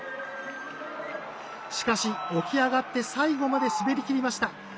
しかし、起き上がって最後まで滑りきりました。